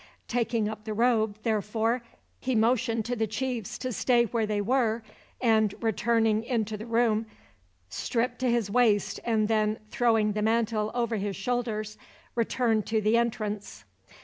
Taking up the robe, therefore, he motioned to the chiefs to stay where they were and, returning into the room, stripped to his waist; and then, throwing the mantle over his shoulders, returned to the entrance.